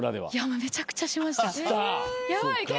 めちゃくちゃしました。